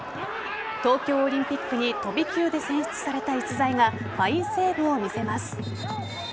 東京オリンピックに飛び級で選出された逸材がファインセーブを見せます。